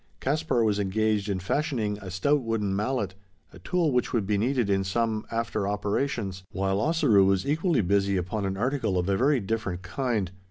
Caspar was engaged in fashioning a stout wooden mallet a tool which would be needed in some after operations while Ossaroo was equally busy upon an article of a very different kind.